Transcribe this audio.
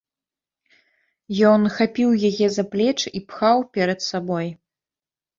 Ён хапіў яе за плечы і пхаў перад сабой.